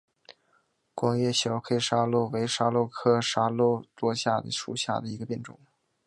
光叶小黑桫椤为桫椤科桫椤属下的一个变种。